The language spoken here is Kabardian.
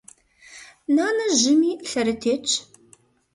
Нанэ жьыми, лъэрытетщ.